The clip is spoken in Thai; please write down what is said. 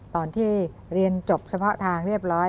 ตอนที่เรียนจบเฉพาะทางเรียบร้อย